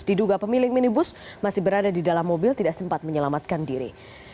diduga pemilik minibus masih berada di dalam mobil tidak sempat menyelamatkan diri